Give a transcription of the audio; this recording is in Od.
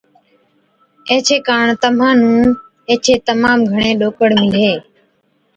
ايڇي ڪاڻ تمهان نُون ايڇي تمام گھڻي ڏوڪڙ مِلهي۔